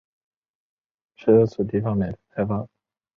报纸创刊号亦于当日于全港十六处地方免费派发。